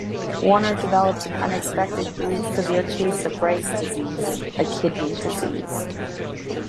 Warner developed an unexpectedly severe case of Bright's disease, a kidney disease.